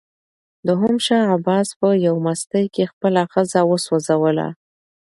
دوهم شاه عباس په یوه مستۍ کې خپله ښځه وسوځوله.